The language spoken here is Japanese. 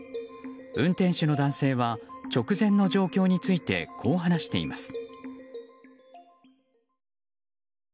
運転手の男性は直前の状況についてこう話しています。